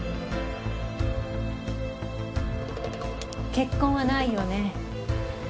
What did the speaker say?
血痕はないようね。